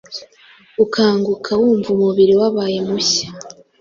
ukanguka wumva umubiri wabaye mushya